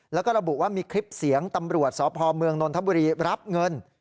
แล้วก็ระบุว่ามีคลิปเสียงตำรวจสพเมืองนนทบุรีรับเงิน